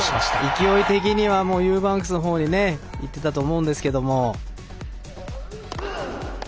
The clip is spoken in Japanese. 勢い的にはユーバンクスにいってたと思うんですけど。